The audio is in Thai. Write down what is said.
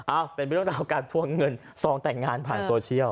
เป็นเรื่องราวการทวงเงินซองแต่งงานผ่านโซเชียล